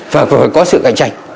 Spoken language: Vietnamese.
và phải có sự cạnh tranh